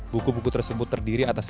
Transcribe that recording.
buku buku tersebut terdiri atas